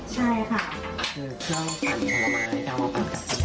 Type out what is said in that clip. ใช่ค่ะ